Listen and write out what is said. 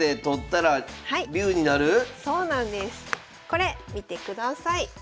これ見てください。